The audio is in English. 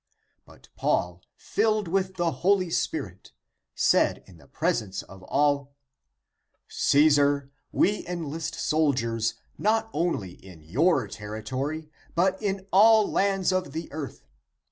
But Paul, filled with the Holy Spirit, said in the presence of all, " Caesar, we enlist soldiers not only in your territory, but in all lands of the earth.